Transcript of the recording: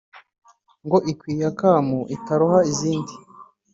Ngo ikwiye akamo itaroha izindi